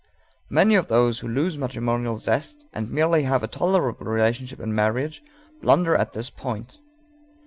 Many of those who lose matrimonial zest and merely have a tolerable relationship in marriage blunder at this point.